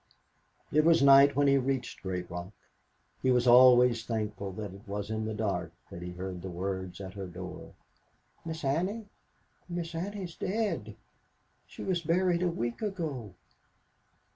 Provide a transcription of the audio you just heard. It was night when he reached Great Rock. He was always thankful that it was in the dark that he heard the words at her door, "Miss Annie? Miss Annie is dead. She was buried a week ago."